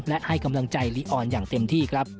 และให้กำลังใจลีออนอย่างเต็มที่ครับ